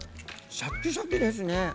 シャキシャキですね。